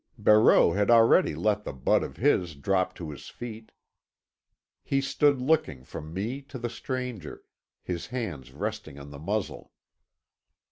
Barreau had already let the butt of his drop to his feet. He stood looking from me to the stranger, his hands resting on the muzzle.